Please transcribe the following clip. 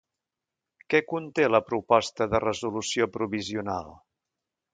Què conté la proposta de resolució provisional?